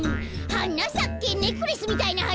「はなさけネックレスみたいなはな」